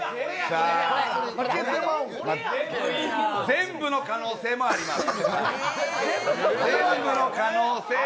全部の可能性もあります。